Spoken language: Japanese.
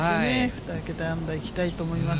２桁アンダーいきたいと思います